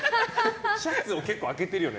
シャツ、結構開けてるよね。